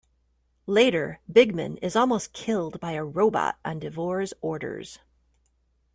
Later, Bigman is almost killed by a robot on Devoure's orders.